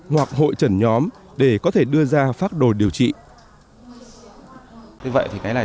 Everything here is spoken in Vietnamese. hoặc hội trần nhóm để có thể đưa ra pháp đồ điều trị